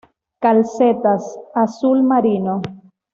Calcetas:Azul marino.